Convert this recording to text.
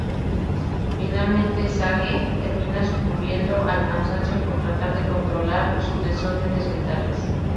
Finalmente Sage termina sucumbiendo al cansancio por tratar de controlar sus desordenes mentales.